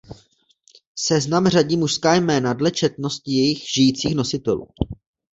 Seznam řadí mužská jména dle četnosti jejich žijících nositelů.